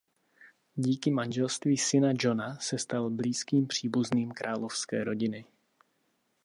Díky manželství syna Johna se stal blízkým příbuzným královské rodiny.